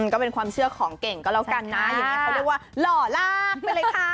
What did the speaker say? ก็เป็นความเชื่อของเก่งก็แล้วกันนะอย่างนี้เขาเรียกว่าหล่อลากไปเลยค่ะ